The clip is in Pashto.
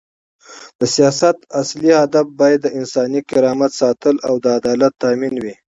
د سیاست اصلي هدف باید د انساني کرامت ساتل او د عدالت تامین وي.